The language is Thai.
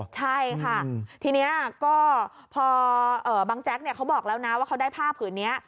ใช่ค่ะทีนี้ก็พอบางแจ๊กเขาบอกแล้วนะว่าเขาได้ผ้าผืนนี้